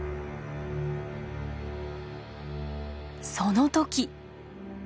その時。